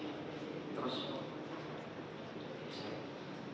di kecilin lagi